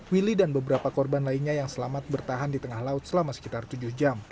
willy dan beberapa korban lainnya yang selamat bertahan di tengah laut selama sekitar tujuh jam